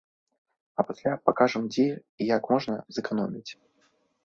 А пасля пакажам, дзе і як можна зэканоміць.